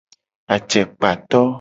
Acekpato.